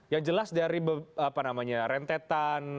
yang jelas dari rentetan